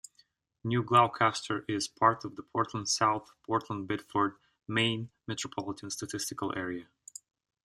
New Gloucester is part of the Portland-South Portland-Biddeford, Maine metropolitan statistical area.